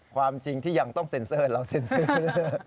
ความจริงที่ยังต้องเซ็นเซอร์เราเซ็นเซอร์